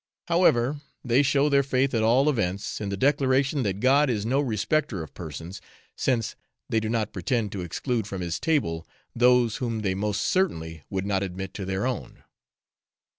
However, they show their faith at all events, in the declaration that God is no respecter of persons, since they do not pretend to exclude from His table those whom they most certainly would not admit to their own.